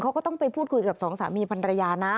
เขาก็ต้องไปพูดคุยกับสองสามีพันรยานะ